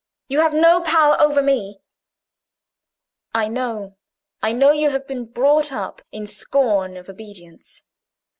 You have no power over me." "I know—I know you have been brought up in scorn of obedience.